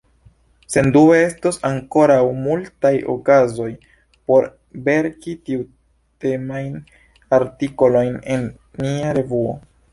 Sendube estos ankoraŭ multaj okazoj por verki tiutemajn artikolojn en nia revuo.